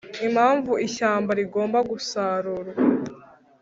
impamvu ishyamba rigomba gusarurwa